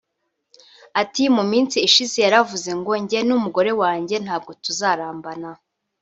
Ati “ Mu minsi ishize yaravuze ngo njye n’umugore wanjye ntabwo tuzarambana